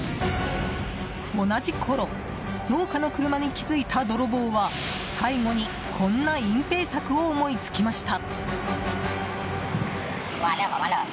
同じころ農家の車に気づいた泥棒は最後にこんな隠ぺい策を思いつきました。